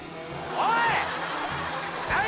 おい！